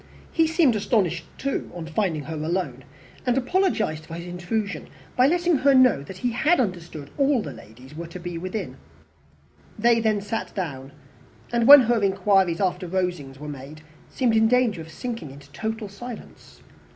He seemed astonished too on finding her alone, and apologized for his intrusion, by letting her know that he had understood all the ladies to be within. They then sat down, and when her inquiries after Rosings were made, seemed in danger of sinking into total silence.